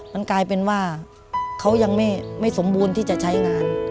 มันกลายเป็นว่าเขายังไม่สมบูรณ์ที่จะใช้งาน